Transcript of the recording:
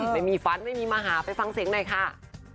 ไม่มีฟันไม่มีมหาไปฟังเสียงหน่อยค่ะ